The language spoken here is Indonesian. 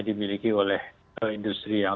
dimiliki oleh industri yang